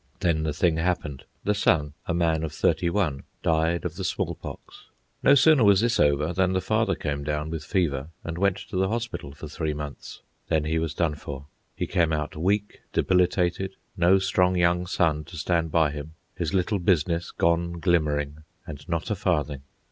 Then the thing happened. The son, a man of thirty one, died of the smallpox. No sooner was this over than the father came down with fever and went to the hospital for three months. Then he was done for. He came out weak, debilitated, no strong young son to stand by him, his little business gone glimmering, and not a farthing.